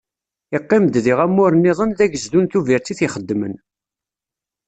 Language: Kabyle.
Iqqim-d diɣ amur-nniḍen d agezdu n Tubiret i t-ixeddmen.